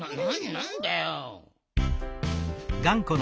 なんだよ。